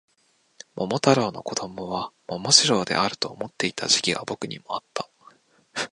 桃太郎の子供は桃次郎であると思っていた時期が僕にもあった